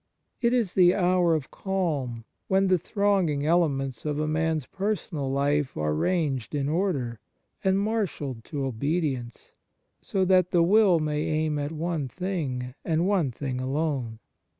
It is the hour of calm, when the thronging elements of a man s personal life are ranged in order, and marshalled to obedience, so that the will may aim at one thing, and one thing alone.